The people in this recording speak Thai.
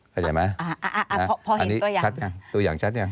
พอเห็นตัวอย่างตัวอย่างชัดยัง